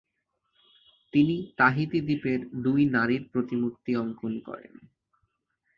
তিনি তাহিতি দ্বীপের দুই নারীর প্রতিমূর্তি অঙ্কন করেন।